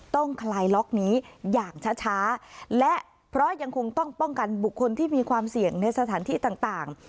คลายล็อกนี้อย่างช้าและเพราะยังคงต้องป้องกันบุคคลที่มีความเสี่ยงในสถานที่ต่าง